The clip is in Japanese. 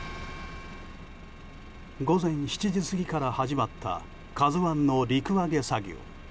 午前７時過ぎから始まった「ＫＡＺＵ１」の陸揚げ作業。